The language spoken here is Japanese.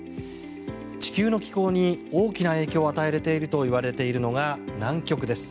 地球の気候に大きな影響を与えているといわれているのが南極です。